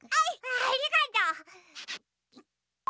ありがとう！